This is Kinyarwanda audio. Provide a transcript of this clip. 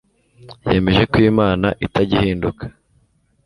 yemeje ko imana, itajya ihinduka